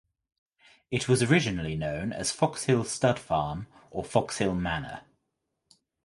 It was originally known as Foxhill Stud Farm or Foxhill Manor.